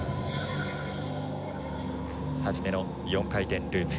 初めの４回転ループ。